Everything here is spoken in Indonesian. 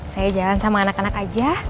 saya jalan sama anak anak aja